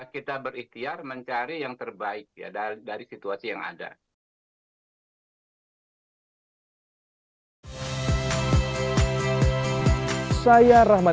kita berikhtiar mencari yang terbaik dari situasi yang ada